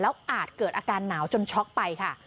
อาจเกิดอาการหนาวจนช็อกไปค่ะ